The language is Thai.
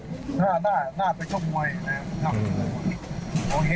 น่าไปชกมวยนะครับ